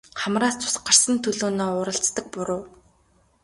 Хамраас цус гарсан төлөөнөө уралцдаг буруу.